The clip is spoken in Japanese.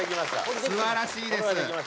すばらしいです。